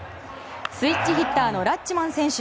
スイッチヒッターのラッチマン選手